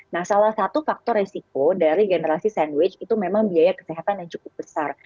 nah salah satu faktor resiko dari generasi sandwich itu memang biaya kesehatan yang cukup besar